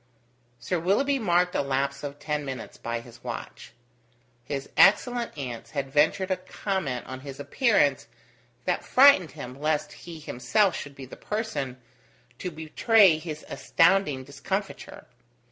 Sir Willoughby marked a lapse of ten minutes by his watch. His excellent aunts had ventured a comment on his appearance that frightened him lest he himself should be the person to betray his astounding discomfiture.